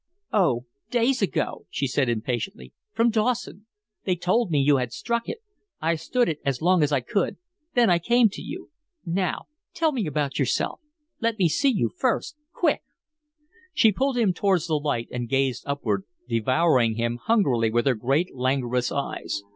"Oh, DAYS ago," she said, impatiently, "from Dawson. They told me you had struck it. I stood it as long as I could then I came to you. Now, tell me about yourself. Let me see you first, quick!" She pulled him towards the light and gazed upward, devouring him hungrily with her great, languorous eyes.